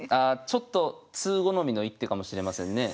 ちょっと通好みの一手かもしれませんね。